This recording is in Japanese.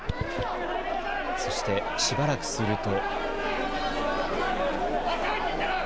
そして、しばらくすると。